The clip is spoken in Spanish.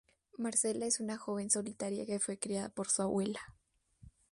Marcela es una joven solitaria que fue criada por su abuela.